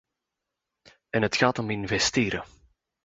En het gaat om investeren.